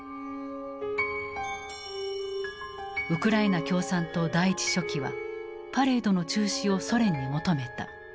ウクライナ共産党第一書記はパレードの中止をソ連に求めた。